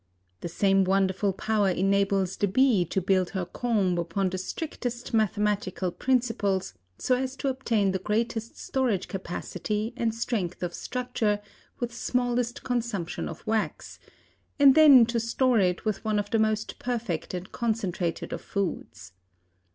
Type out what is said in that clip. The same wonderful power enables the bee to build her comb upon the strictest mathematical principles so as to obtain the greatest storage capacity and strength of structure with smallest consumption of wax, and then to store it with one of the most perfect and concentrated of foods.